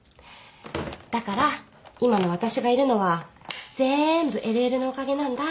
だから今の私がいるのはぜんぶＬＬのおかげなんだ。